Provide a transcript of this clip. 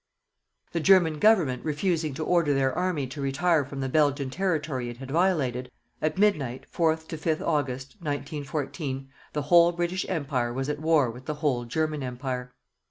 The German Government refusing to order their army to retire from the Belgian territory it had violated, at midnight, 4th to 5th August, 1914, the whole British Empire was at war with the whole German Empire.